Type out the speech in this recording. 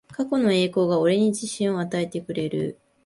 過去の栄光が俺に自信を与えてくれる